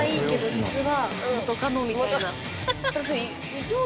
実は？